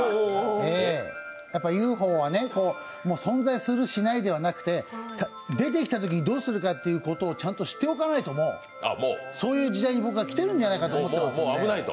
やっぱりＵＦＯは存在するしないではなくて出てきたときにどうするかってことを知っておかないとそういう時代に僕は来てるんじゃないかと思ってます。